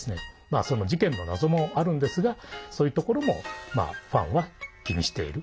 その事件の謎もあるんですがそういうところもファンは気にしている。